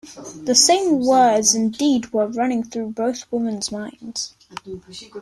The same words, indeed, were running through both women's minds.